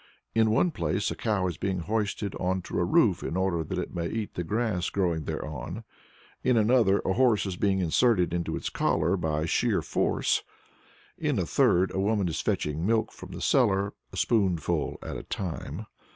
In one place, a cow is being hoisted on to a roof in order that it may eat the grass growing thereon; in another a horse is being inserted into its collar by sheer force; in a third, a woman is fetching milk from the cellar, a spoonful at a time.